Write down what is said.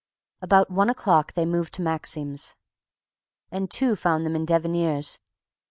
About one o'clock they moved to Maxim's, and two found them in Deviniere's.